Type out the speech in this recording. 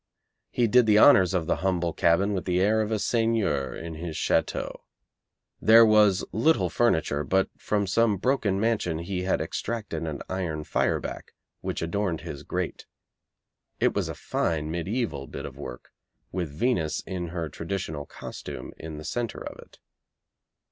He did the honours of the humble cabin with the air of a seigneur in his château. There was little furniture, but from some broken mansion he had extracted an iron fire back, which adorned his grate. It was a fine, mediaeval bit of work, with Venus, in her traditional costume, in the centre of it.